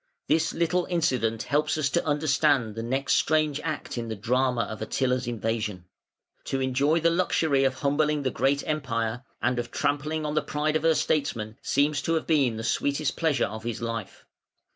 This little incident helps us to understand the next strange act in the drama of Attila's invasion. To enjoy the luxury of humbling the great Empire, and of trampling on the pride of her statesmen, seems to have been the sweetest pleasure of his life.